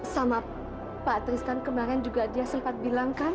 sama pak tristan kemarin juga dia sempat bilangkan